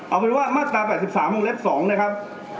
เอาเป็นว่ามาตรา๘๓วงเล็บ๒นะครับ